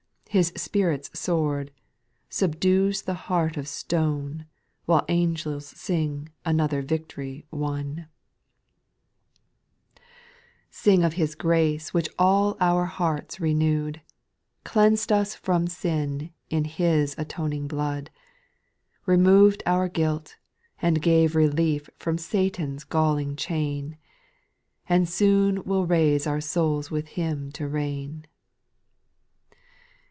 His Spirit's sword, Subdues the heart of stone, While angels sing another vict'ry won. SPIRITUAL SONGS. 196 5. Sing of His grace which all our hearts re newed, Cleansed us from sin in His atoning blood, Removed our guilt, and gave relief From Satan's galling chain, And soon will raise our souls with Him to reign.